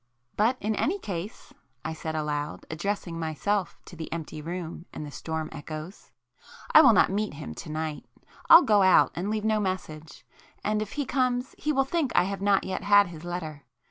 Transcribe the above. "But in any case," I said aloud, addressing myself to the empty room and the storm echoes—"I will not meet him to night. I'll go out and leave no message,—and if he comes he will think I have not yet had his letter.